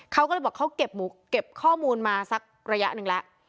เขาก็เลยบอกเขาเก็บข้อมูลมาสักระยะหนึ่งแล้ว